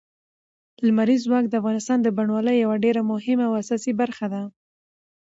لمریز ځواک د افغانستان د بڼوالۍ یوه ډېره مهمه او اساسي برخه ده.